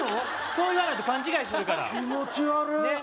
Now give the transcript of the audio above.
そう言わないと勘違いするから気持ち悪っ！